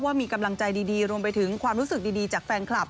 ว่ามีกำลังใจดีรวมไปถึงความรู้สึกดีจากแฟนคลับ